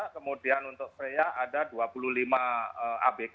kemudian untuk pria ada dua puluh lima abk